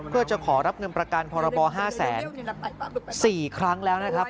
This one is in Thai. เพื่อจะขอรับเงินประกันพรบ๕๔ครั้งแล้วนะครับ